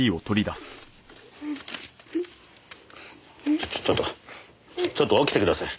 ちょちょちょっとちょっと起きてください。